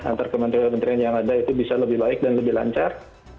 antara kementerian kementerian yang ada itu bisa lebih baik dan lebih lancar